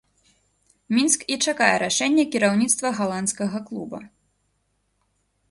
Мінск і чакае рашэння кіраўніцтва галандскага клуба.